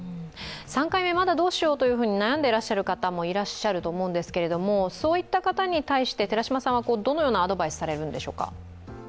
３回目、まだどうしようと悩んでいらっしゃる方も多いと思うんですがそういった方に対してどのようなアドバイスをされるんでしょうか？